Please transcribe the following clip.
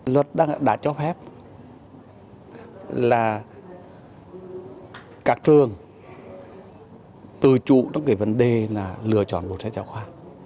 luật đã cho phép là các trường từ trụ trong cái vấn đề là lựa chọn một sách giáo khoa